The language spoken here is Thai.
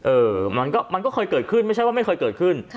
เออมันก็เคยเกิดขึ้นไม่ใช่ว่าไม่เคยเกิดขึ้น